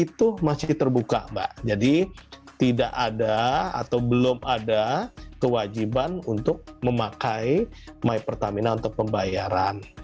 itu masih terbuka mbak jadi tidak ada atau belum ada kewajiban untuk memakai my pertamina untuk pembayaran